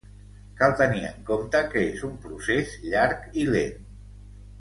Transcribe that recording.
Cal tenir en compte que és un procés llarg i lent.